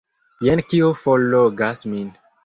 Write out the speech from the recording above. Jen kio forlogas min!